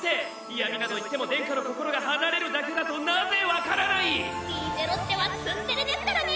嫌みなど言っても殿下の心が離れるだけだとなぜ分からない⁉リーゼロッテはツンデレですからね。